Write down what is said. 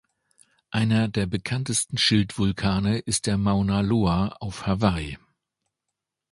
Einer der bekanntesten Schildvulkane ist der Mauna Loa auf Hawaii.